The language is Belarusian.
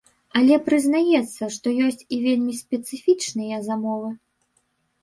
Але прызнаецца, што ёсць і вельмі спецыфічныя замовы.